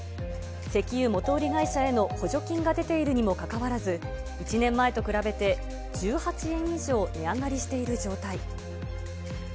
石油元売り会社への補助金が出ているにもかかわらず、１年前と比べて１８円以上値上がりしている状態。